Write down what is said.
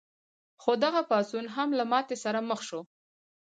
خو دغه پاڅون هم له ماتې سره مخ شو.